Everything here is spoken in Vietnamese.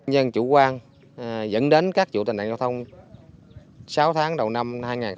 nhân chủ quan dẫn đến các vụ tai nạn giao thông sáu tháng đầu năm hai nghìn một mươi sáu